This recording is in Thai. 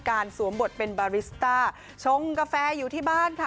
กับแฟชั่นการสวมบทเป็นบาริสตาชงกาแฟอยู่ที่บ้านค่ะ